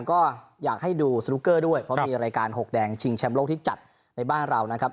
ก็อยากให้ดูสนุกเกอร์ด้วยเพราะมีรายการหกแดงชิงแชมป์โลกที่จัดในบ้านเรานะครับ